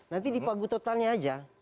nanti dipagut totalnya saja